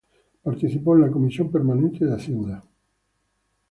Participó de la comisión permanente de Hacienda.